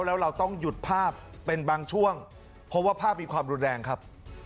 แล้วเราต้องหยุดภาพเป็นบางช่วงเพราะว่าภาพมีความรุนแรงครับ